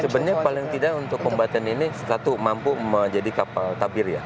sebenarnya paling tidak untuk pembuatan ini satu mampu menjadi kapal tabir ya